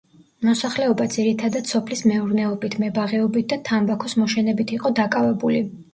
მოსახლეობა ძირითადად სოფლის მეურნეობით, მებაღეობით და თამბაქოს მოშენებით იყო დაკავებული.